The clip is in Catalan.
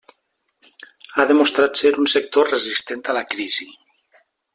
Ha demostrat ser un sector resistent a la crisi.